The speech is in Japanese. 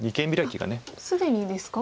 既にですか？